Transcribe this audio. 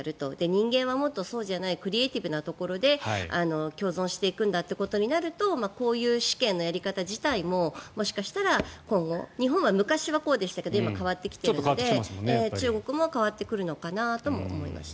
人間はもっとそうじゃないクリエーティブなところで共存していくっていうことになるとこういう試験のやり方自体ももしかしたら今後日本は昔はこうでしたけど今、変わってきているので中国も変わってくるのかなとも思いました。